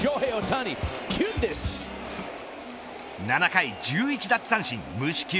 ７回１１奪三振無四球